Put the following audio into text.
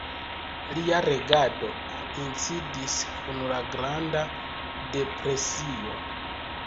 Lia regado koincidis kun la Granda Depresio.